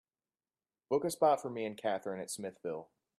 Book a spot for me and kathrine at Smithville